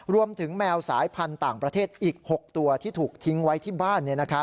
แมวสายพันธุ์ต่างประเทศอีก๖ตัวที่ถูกทิ้งไว้ที่บ้าน